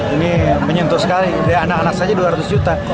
ini menyentuh sekali dari anak anak saja dua ratus juta